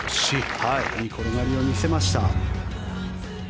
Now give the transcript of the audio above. いい転がりを見せました。